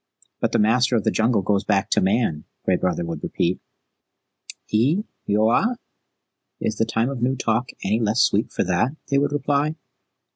"But the Master of the Jungle goes back to Man," Gray Brother would repeat. "Eee Yoawa? Is the Time of New Talk any less sweet for that?" they would reply.